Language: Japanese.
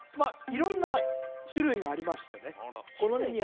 あ色んな種類がありましてね種類？